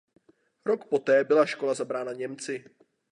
Rok poté byla škola zabrána Němci.